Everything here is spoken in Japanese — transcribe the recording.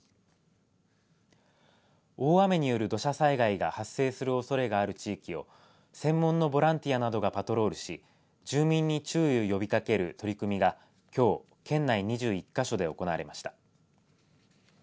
大雨による土砂災害が発生するおそれがある地域を専門のボランティアなどがパトロールし住民に注意を呼びかける取り組みがきょう県内２１か所で行われました。